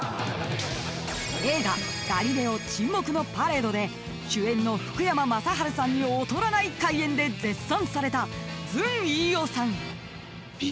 ［映画ガリレオ『沈黙のパレード』で主演の福山雅治さんに劣らない怪演で絶賛された］